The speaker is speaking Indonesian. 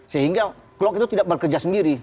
sehingga klok itu tidak bekerja sendiri